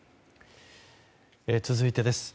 続いてです。